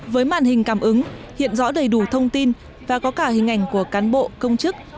với màn hình cảm ứng hiện rõ đầy đủ thông tin và có cả hình ảnh của cán bộ công chức